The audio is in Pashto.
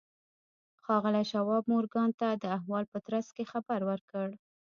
ښاغلي شواب مورګان ته د احوال په ترڅ کې خبر ورکړ